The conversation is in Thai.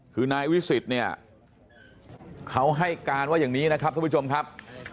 คือนายวิสิทธิ์เนี่ยเขาให้การว่าอย่างนี้นะครับท่านผู้ชมครับ